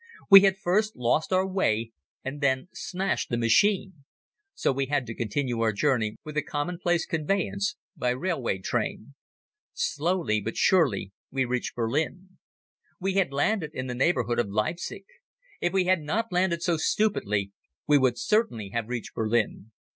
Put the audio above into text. We had first lost our way and then smashed the machine. So we had to continue our journey with the commonplace conveyance, by railway train. Slowly but surely, we reached Berlin. We had landed in the neighborhood of Leipzig. If we had not landed so stupidly, we would certainly have reached Berlin.